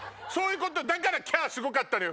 だから「キャー」すごかったのよ。